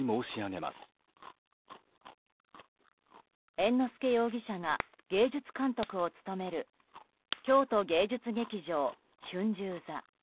猿之助容疑者が芸術監督を務める京都芸術劇場春秋座。